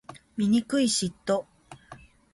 醜い嫉妬